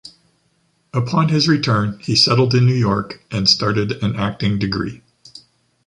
Upon his return he settled in New York and started an acting degree.